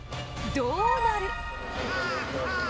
どうなる。